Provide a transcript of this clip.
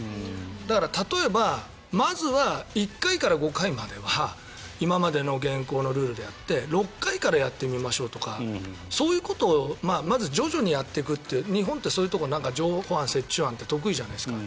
だから例えばまずは１回から５回までは今までの、現行のルールでやって６回からやってみましょうとかそういうことをまず徐々にやっていくって日本ってそういうところ譲歩案、折衷案って得意じゃないですか。